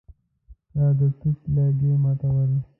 چا د توت لرګي ماتول.